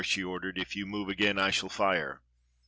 she ordered. "If you move again I shall fire."